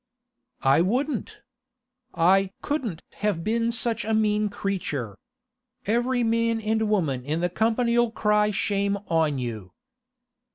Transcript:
'I wouldn't! I couldn't have been such a mean creature! Every man and woman in the company'll cry shame on you.